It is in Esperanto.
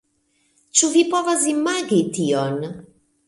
Ĉu vi povas imagi tion?